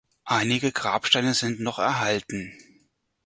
Einige Grabsteine sind noch erhalten.